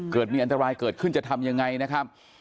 เกิดมีอันตรายเกิดขึ้นจะทำยังไงนะครับ